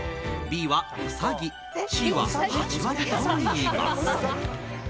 ＢはうさぎＣはハチワレといいます。